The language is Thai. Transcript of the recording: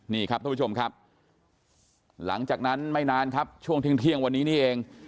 นี่ครับท่านผู้ชมครับหลังจากนั้นไม่นานครับช่วงเที่ยงวันนี้นี่เอง